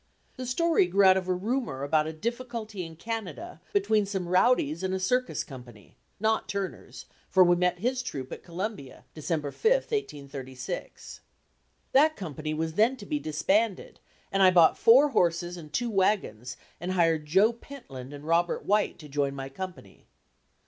The story grew out of a rumor about a difficulty in Canada between some rowdies and a circus company not Turner's, for we met his troupe at Columbia, December 5, 1836. That company was then to be disbanded and I bought four horses and two wagons and hired Joe Pentland and Robert White to join my company.